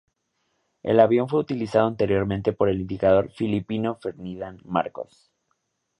El avión fue utilizado anteriormente por el dictador filipino Ferdinand Marcos.